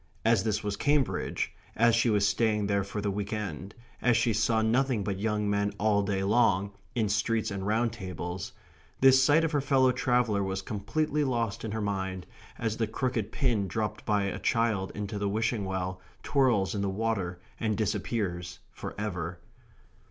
As this was Cambridge, as she was staying there for the week end, as she saw nothing but young men all day long, in streets and round tables, this sight of her fellow traveller was completely lost in her mind, as the crooked pin dropped by a child into the wishing well twirls in the water and disappears for ever.